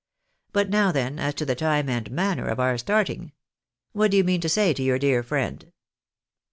But now then, as to the time and manner of our starting ? What do you mean to say to your dear friend